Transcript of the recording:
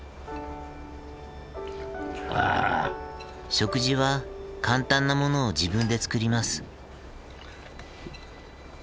食事は簡単なものを自分で作ります。